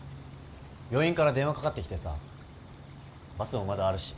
病院から電話かかってきてさバスもまだあるし。